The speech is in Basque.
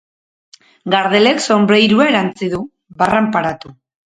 Gardelek sonbreirua erantzi du, barran paratu.